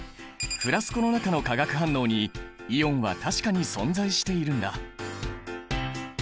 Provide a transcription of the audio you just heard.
フラスコの中の化学反応にイオンは確かに存在しているんだ。